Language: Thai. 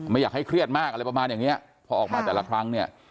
อยากให้เครียดมากอะไรประมาณอย่างเนี้ยพอออกมาแต่ละครั้งเนี่ย